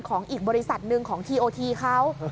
อีกบริษัทหนึ่งของทีโอทีเขา